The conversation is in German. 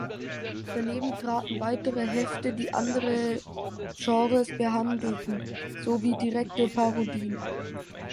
Daneben traten weitere Hefte, die andere Genres behandelten, sowie direkte Parodien.